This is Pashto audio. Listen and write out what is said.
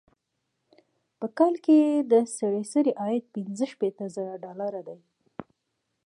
په کال کې یې د سړي سر عاید پنځه شپيته زره ډالره دی.